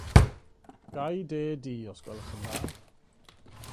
Ga i de du os gwelwch yn dda.